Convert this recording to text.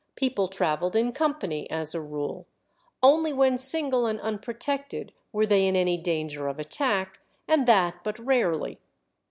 People travelled in company, as a rule; only when single and unprotected were they in any danger of attack, and that but rarely.